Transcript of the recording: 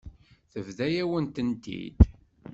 Tebḍa-yawen-tent-id.